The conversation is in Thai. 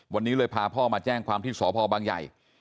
วันนี้เลยพาพ่อมาแจ้งความที่สพบังใหญ่